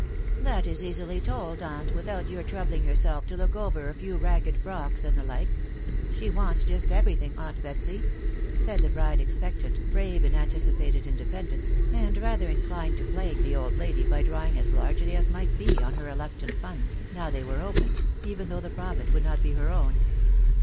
" That is easily told, aunt, without your troubling yourself to look over a few ragged frocks and the like/ She wants just every thing, aunt Betsey," said the bride expectant, brave in anticipated independence, and. rather inclined to plague the old lady by drawing as largely as might be on her reluctant funds, now they were opened, even though the profit would not be her own.